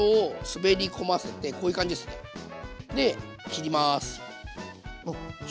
で切ります。